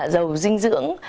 dầu dinh dưỡng